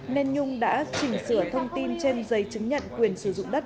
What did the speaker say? nên nhung đã chỉnh sửa thông tin trên giấy chứng nhận quyền sử dụng đất